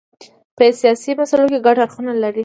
په سیاسي مسایلو کې ګډ اړخونه لري.